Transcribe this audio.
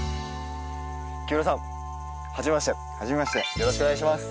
よろしくお願いします。